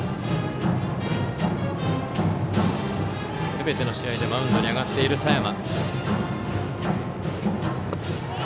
すべての試合でマウンドに上がっている佐山。